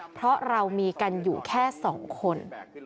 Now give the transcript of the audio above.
เพราะเรามีกันอยู่แค่๒คน